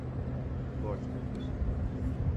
Gosto disso